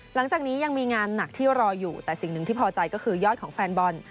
หลังจากนี้ยังมีงานหนักที่รออยู่แต่สิ่งหนึ่งที่พอใจก็คือยอดของแฟนบอล